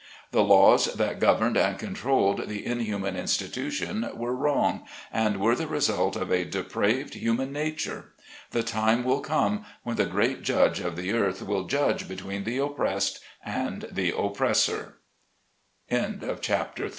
The laws that governed and controlled the inhuman institution were wrong, and were the result of a depraved human nature. The time will come when the great Judge of the earth will judge between the oppressed and the o